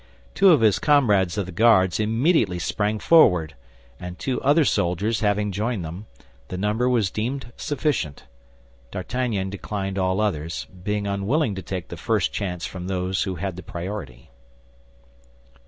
Two of his comrades of the Guards immediately sprang forward, and two other soldiers having joined them, the number was deemed sufficient. D'Artagnan declined all others, being unwilling to take the first chance from those who had the priority.